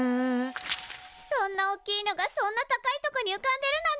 そんなおっきいのがそんな高いとこにうかんでるなんて！